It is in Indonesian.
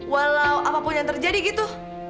walau apapun yang terjadi gitu